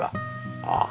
ああ。